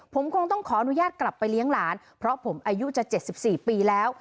ผมคงต้องขออนุญาตกลับไปเลี้ยงหลานเพราะผมอายุจะ๗๔ปีแล้ว